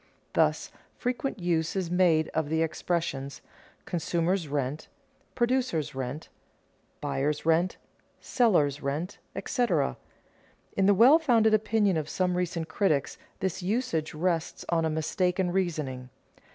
Thus, frequent use is made of the expressions: consumer's rent, producer's rent, buyer's rent, seller's rent, etc. In the well founded opinion of some recent critics this usage rests on a mistaken reasoning.